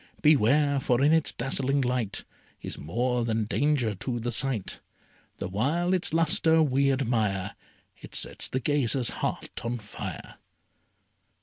Beware! for in its dazzling light Is more than danger to the sight. The while its lustre we admire It sets the gazer's heart on fire.